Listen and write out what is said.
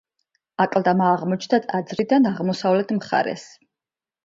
აკლდამა აღმოჩნდა ტაძრიდან აღმოსავლეთ მხარეს.